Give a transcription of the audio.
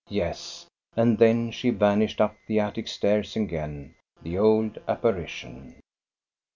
Yes, and then she vanished up the attic stairs again, the old apparition.